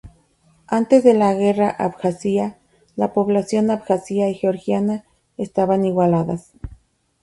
Antes de la Guerra de Abjasia, la población abjasia y georgiana estaban igualadas.